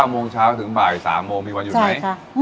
โมงเช้าถึงบ่าย๓โมงมีวันหยุดไหม